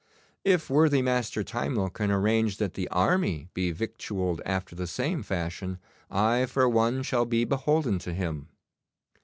If worthy Master Timewell can arrange that the army be victualled after the same fashion, I for one shell be beholden to him.